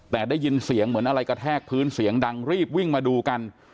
แต่ได้ยินเสียงเหมือนอะไรกระแทกพื้นเสียงดังรีบวิ่งมาดูกัน